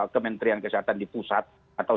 kementerian kesehatan di pusat atau